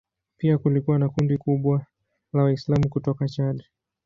Pia kulikuwa na kundi kubwa la Waislamu kutoka Chad.